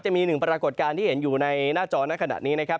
หนึ่งปรากฏการณ์ที่เห็นอยู่ในหน้าจอในขณะนี้นะครับ